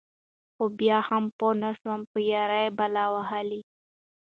خو بيا هم پوهه نشوه په يــارۍ بلا وهــلې.